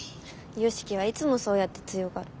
良樹はいつもそうやって強がる。